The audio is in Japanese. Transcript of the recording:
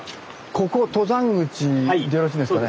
ここ登山口でよろしいですかね？